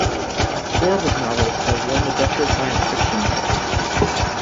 Four of his novels have won the Deutscher Science Fiction Preis.